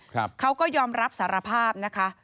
เขาก็ยอมรับสารภาพนะคะ